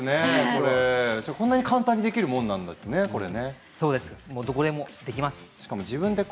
こんなに簡単にできるものなんですね、これ。